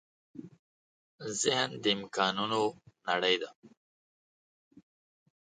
ذهن د امکانونو نړۍ ده.